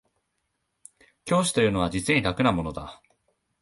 教師というものは実に楽なものだ